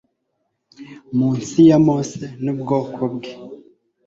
Munsi ya Mose nubwoko bwe